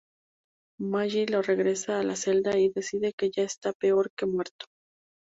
Maggie lo regresa a su celda y decide que ya está peor que muerto.